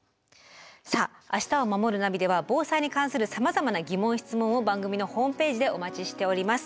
さあ「明日をまもるナビ」では防災に関するさまざまな疑問・質問を番組のホームページでお待ちしております。